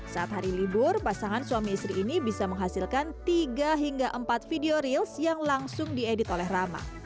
saat hari libur pasangan suami istri ini bisa menghasilkan tiga hingga empat video reals yang langsung diedit oleh rama